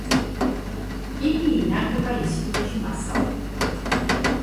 იგი ინახება ინსტიტუტში მასწავლებლად.